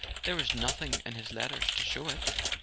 There was nothing in his letters to show it.